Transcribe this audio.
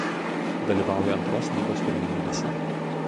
Dalyvauja Antros lygos pirmenybėse.